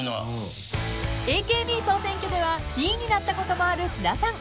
［ＡＫＢ総選挙では２位になったこともある須田さん］